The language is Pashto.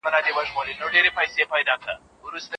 د ښاري ژوند اسانتیاوې له کلیوالي ژوند څخه ډېرې دي.